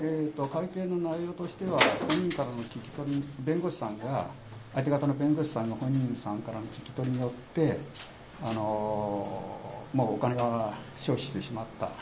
会見の内容としては、本人からの聞き取り、弁護士さんが、相手方の弁護士さんが本人さんからの聞き取りによって、お金が消失してしまった。